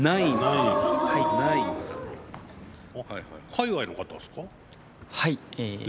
海外の方ですか？